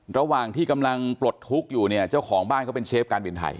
ระหว่างที่กำลังปลดทุกข์อยู่เนี่ยเจ้าของบ้านเขาเป็นเชฟการบินไทย